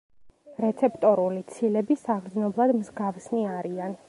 რეცეპტორული ცილები საგრძნობლად მსგავსნი არიან.